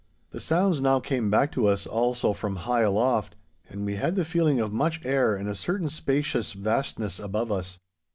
The sounds now came back to us also from high aloft, and we had the feeling of much air and a certain spacious vastness above us.